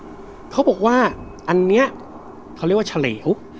เขาบอกว่าอันนี้เขาเรียกว่าเฉลว